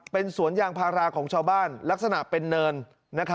เป็นสวนยางพาราของชาวบ้านลักษณะเป็นเนิน